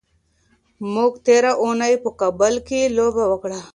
موږ تېره اونۍ په کابل کې لوبه وکړه.